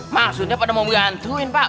maksudnya pada mau menggantuin pak